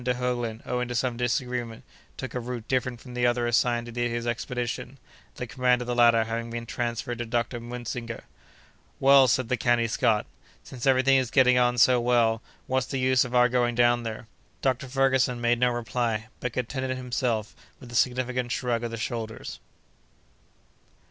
de Heuglin, owing to some disagreement, took a route different from the one assigned to his expedition, the command of the latter having been transferred to Mr. Muntzinger. "Well," said the canny Scot, "since every thing is getting on so well, what's the use of our going down there?" Dr. Ferguson made no reply, but contented himself with a significant shrug of the shoulders.